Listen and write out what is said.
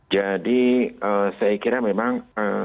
jadi saya kira memang